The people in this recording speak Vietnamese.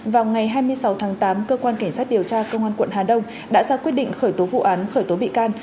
vào ngày hai mươi sáu tháng tám cơ quan cảnh sát điều tra công an quận hà đông đã ra quyết định khởi tố vụ án khởi tố bị can